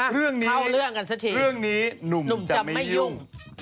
เรื่องนี้นุ่มจะไม่ยุ่งนุ่มจะไม่ยุ่ง